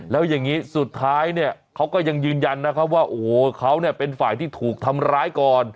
แล้วอย่างนี้สุดท้ายเนี่ยเขาก็ยังยืนยันนะครับว่าโอ้โหเขาเนี่ยเป็นฝ่ายที่ถูกทำร้ายก่อน